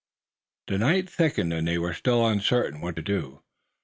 The night thickened and they were still uncertain what to do.